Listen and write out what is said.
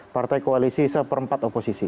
partai koalisi seperempat oposisi